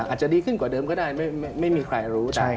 อาจจะดีขึ้นกว่าเดิมก็ได้ไม่มีใครรู้นะ